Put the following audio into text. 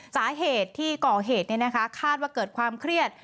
สาเหตุที่ก่อเหตุคาดว่าเกิดความเครียด